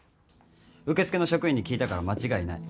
受付の職員に聞いたから間違いない。